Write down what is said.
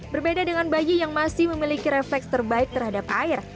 berbeda dengan bayi yang masih memiliki refleks terbaik terhadap air